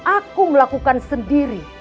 aku melakukan sendiri